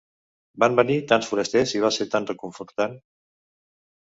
Van venir tants forasters i va ser tant reconfortant.